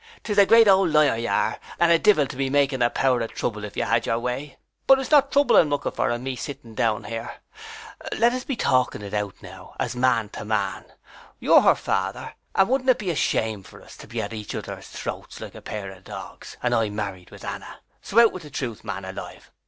'Tis a great old liar you are, and a divil to be making a power of trouble if you had your way. But 'tis not trouble I'm looking for, and me sitting down here. [Earnestly.] Let us be talking it out now as man to man. You're her father, and wouldn't it be a shame for us to be at each other's throats like a pair of dogs, and I married with Anna. So out with the truth, man alive.